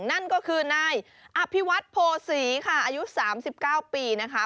นั่นก็คือนายอภิวัตโภษีค่ะอายุ๓๙ปีนะคะ